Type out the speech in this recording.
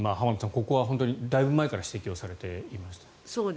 ここはだいぶ前から指摘されていました。